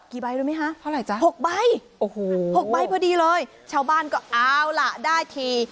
กี่ใบรู้ไหมฮะหกใบหกใบพอดีเลยชาวบ้านก็เอาล่ะได้ที